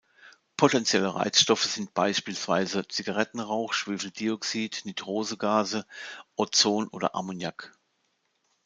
Potenzielle Reizstoffe sind beispielsweise Zigarettenrauch, Schwefeldioxid, Nitrose Gase, Ozon oder Ammoniak.